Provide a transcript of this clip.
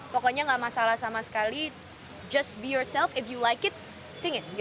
pokoknya gak masalah sama sekali just be yourself if you like it sing it